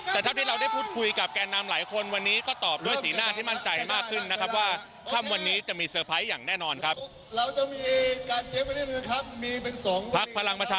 แต่เท่าที่เราได้พูดคุยกับแก่นำหลายคนวันนี้ก็ตอบด้วยสีหน้าที่มั่นใจมากขึ้นนะครับว่าค่ำวันนี้จะมีเซอร์ไพรส์อย่างแน่นอนครับ